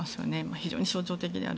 非常に象徴的である。